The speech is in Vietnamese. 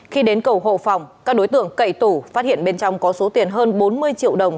khi đến cầu hộ phòng các đối tượng cậy tủ phát hiện bên trong có số tiền hơn bốn mươi triệu đồng